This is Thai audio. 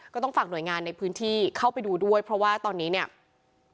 ต้องฝากหน่วยงานในพื้นที่เข้าไปดูด้วยเพราะว่าตอนนี้เนี่ย